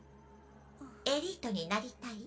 エリートになりたい？